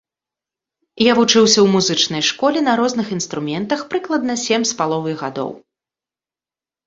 Я вучыўся ў музычнай школе на розных інструментах прыкладна сем з паловай гадоў.